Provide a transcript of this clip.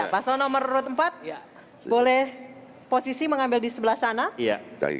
paslon nomor empat boleh posisi mengambil di sebelah sana